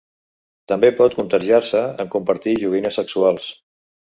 També pot contagiar-se en compartir joguines sexuals.